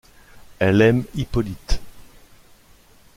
Elle aime Hippolyte.